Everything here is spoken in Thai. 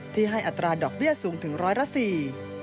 ที่ให้อัตราดอกเบี้ยสูงถึงร้อยละสี่